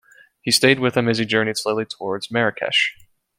He stayed with him as he journeyed slowly towards Marrakesh.